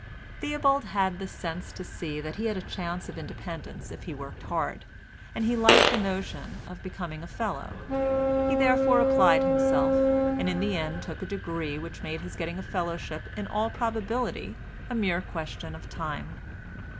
Theobald had the sense to see that he had a chance of independence if he worked hard, and he liked the notion of becoming a fellow. He therefore applied himself, and in the end took a degree which made his getting a fellowship in all probability a mere question of time.